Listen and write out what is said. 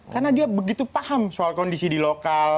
karena dia begitu paham soal kondisi di lokal